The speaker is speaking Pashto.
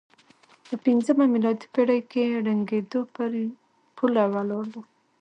په پځمه میلادي پېړۍ کې ړنګېدو پر پوله ولاړ و.